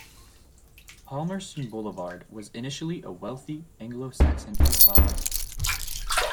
Palmerston Boulevard was initially a wealthy Anglo-Saxon enclave.